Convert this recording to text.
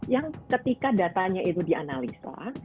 yang ketika datanya itu dianalisa